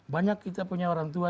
banyak kita punya orang tua